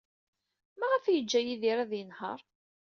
Maɣef ay yeǧǧa Yidir ad yenheṛ?